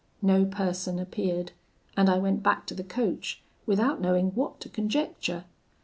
No person appeared, and I went back to the coach, without knowing what to conjecture.